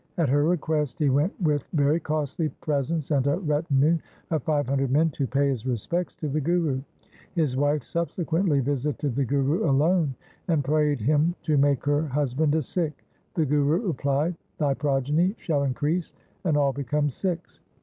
At her request he went with very costly presents and a retinue of five hundred men to pay his respects to the Guru. His wife subsequently visited the Guru alone, and prayed him to make her husband a Sikh. The Guru replied, ' Thy progeny shall increase and all become Sikhs.